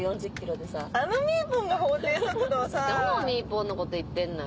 どのみーぽんのこと言ってんのよ？